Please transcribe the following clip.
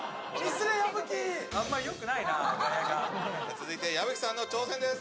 続いて矢吹さんの挑戦です。